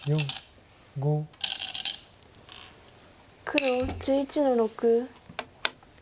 黒１１の六。